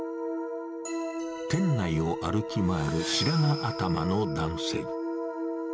店内を歩き回る白髪頭の男性。